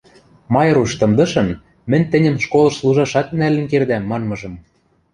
Майруш тымдышын «Мӹнь тӹньӹм школыш служашат нӓлӹн кердӓм» манмыжым